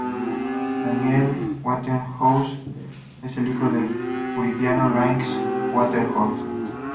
Daniel Waterhouse es el hijo del puritano Drake Waterhouse.